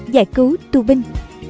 giải cứu tu binh